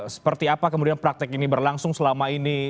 seperti apa kemudian praktek ini berlangsung selama ini